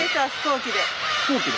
飛行機で？